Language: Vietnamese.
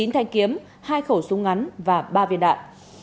chín thanh kiếm hai khẩu súng ngắn và ba viên đạn